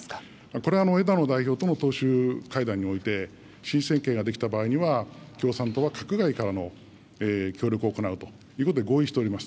これは枝野代表との党首会談において、新政権が出来た場合には、共産党は閣外からの協力を行うということで合意しております。